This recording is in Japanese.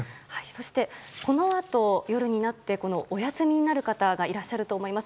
そして、このあと夜になってお休みになる方がいらっしゃると思います。